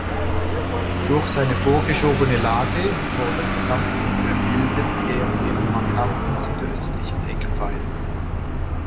Durch seine vorgeschobene Lage vor der Gesamtgruppe bildet er deren markanten südöstlichen Eckpfeiler.